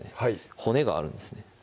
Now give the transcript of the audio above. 骨があるんですね